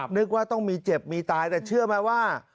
นึกว่าต้องมีเจ็บมีตายแต่เชื่อไหมว่า